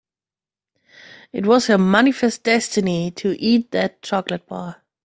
It was her manifest destiny to eat that chocolate bar.